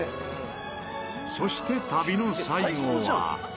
そして旅の最後は。